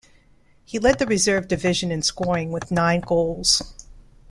He led the reserve division in scoring with nine goals.